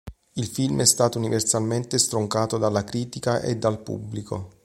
Il film è stato universalmente stroncato dalla critica e dal pubblico.